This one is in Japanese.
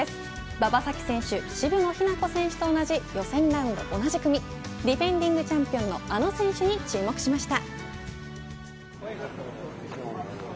馬場咲希選手渋野日向子選手と同じ予選ラウンド同じ組ディフェンディングチャンピオンのあの選手に注目しました。